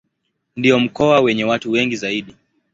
Ndio mkoa wenye watu wengi zaidi.